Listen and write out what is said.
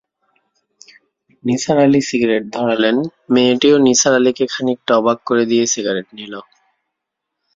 Nisar Ali cigarette ধরালেন মেয়েটিও নিসার আলিকে খানিকটা অবাক করে দিয়ে সিগারেট নিল।